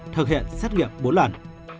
thực hiện xét nghiệm bốn lần